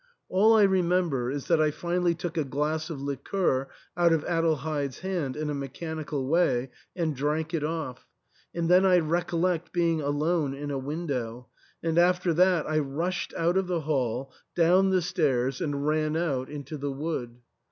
All I remember is that I finally took a glass of liqueur out of Adelheid's hand in a mechanical way and drank it off, and then I recol lect being alone in a window, and after that I rushed out of the hall, down the stairs, and ran out into the wood.